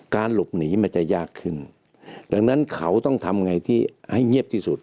หลบหนีมันจะยากขึ้นดังนั้นเขาต้องทำไงที่ให้เงียบที่สุด